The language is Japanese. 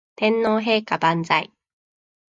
天皇陛下万歳